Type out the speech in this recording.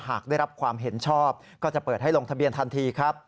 หากได้รับความเห็นชอบก็จะเปิดให้ลงทะเบียนทันทีครับ